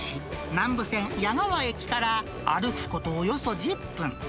南武線矢川駅から歩くことおよそ１０分。